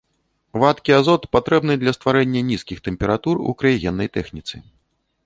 Вадкі азот патрэбны для стварэння нізкіх тэмператур у крыягеннай тэхніцы.